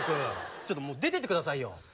ちょっともう出てって下さいよ！